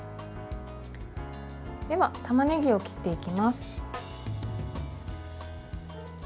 では、たまねぎを切っていきます。